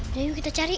udah yuk kita cari